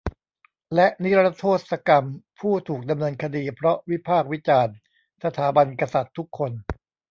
และนิรโทษกรรมผู้ถูกดำเนินคดีเพราะวิพากษ์วิจารณ์สถาบันกษัตริย์ทุกคน